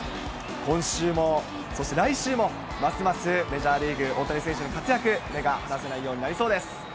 今週も、そして来週も、ますますメジャーリーグ、大谷選手の活躍、目が離せないようになりそうです。